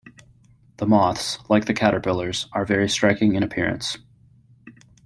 The moths, like the caterpillars, are very striking in appearance.